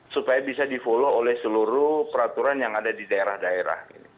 supaya bisa di follow oleh seluruh peraturan yang ada di daerah daerah